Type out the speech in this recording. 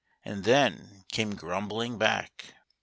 And then came grumbling back.